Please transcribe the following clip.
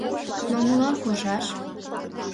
Но молан куржаш?